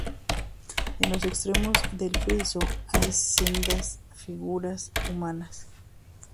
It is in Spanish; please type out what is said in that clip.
En los extremos del friso hay sendas figuras humanas.